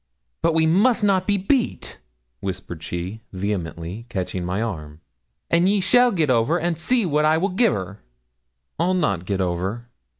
'But we must not be beat,' whispered she, vehemently, catching my arm; 'and ye shall get over, and see what I will gi' her!' 'I'll not get over.'